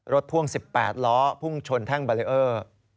รถพ่วง๑๘ล้อพุ่งชนแท่งเบลเลอร์